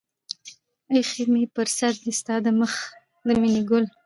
اىښى مې پر سر دى ستا د مخ د مينې گل